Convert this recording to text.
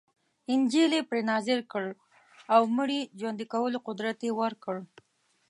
انجیل یې پرې نازل کړ او مړي ژوندي کولو قدرت یې ورکړ.